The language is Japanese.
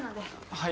はい。